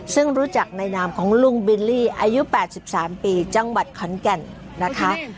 ซึ่งรู้จักแนะนำของลุงบิลลี่อายุแปดสิบสามปีจังหวัดคอนแกนนะคะ